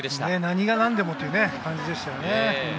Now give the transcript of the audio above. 何が何でもという感じでした。